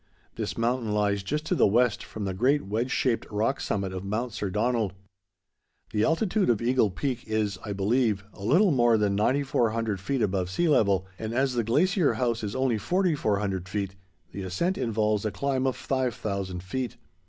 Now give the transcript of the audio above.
This mountain lies just to the west from the great wedge shaped rock summit of Mount Sir Donald. The altitude of Eagle Peak is, I believe, a little more than 9400 feet above sea level, and as the Glacier House is only 4400 feet, the ascent involves a climb of 5000 feet.